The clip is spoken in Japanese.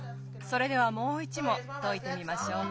それではもう一もんといてみましょう。